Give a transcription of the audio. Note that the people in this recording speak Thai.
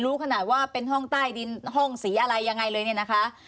ขนาดว่าเป็นห้องใต้ดินห้องสีอะไรยังไงเลยเนี่ยนะคะ